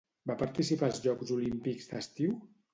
Va participar als Jocs Olímpics d'estiu?